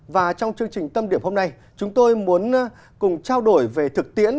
và trong chương trình tâm điểm hôm nay chúng tôi muốn cùng trao đổi về thực tiễn